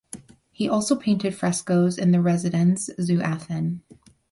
He also painted frescoes in the Residenz zu Athen.